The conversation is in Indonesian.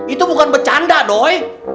itu bukan becanda doi